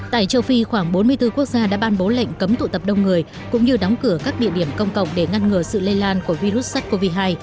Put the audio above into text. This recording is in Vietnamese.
tại châu phi khoảng bốn mươi bốn quốc gia đã ban bố lệnh cấm tụ tập đông người cũng như đóng cửa các địa điểm công cộng để ngăn ngừa sự lây lan của virus sars cov hai